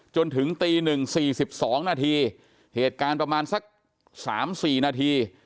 จนถึงตีหนึ่งสี่สิบสองนาทีเหตุการณ์ประมาณสักสามสี่นาที